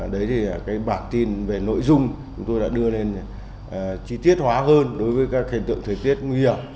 đấy thì cái bản tin về nội dung chúng tôi đã đưa lên chi tiết hóa hơn đối với các hiện tượng thời tiết nguy hiểm